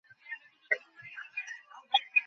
মন্ত্রী মশাই খুব ভালো মনের মানুষ।